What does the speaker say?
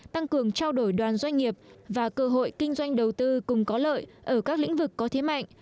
tăng cường trao đổi đoàn doanh nghiệp và cơ hội kinh doanh đầu tư cùng có lợi ở các lĩnh vực có thế mạnh